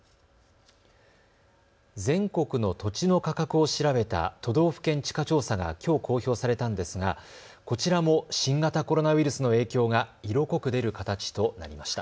全国の土地の価格を調べた都道府県地価調査がきょう公表されたんですがこちらも新型コロナウイルスの影響が色濃く出る形となりました。